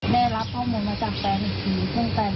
ได้รับข้อมูลมาจากแฟนอีกที